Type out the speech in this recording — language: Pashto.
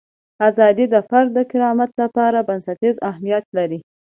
ازادي د فرد د کرامت لپاره بنسټیز اهمیت لري.